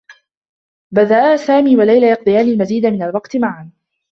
بدآ سامي و ليلى يقضيان المزيد من الوقت معا.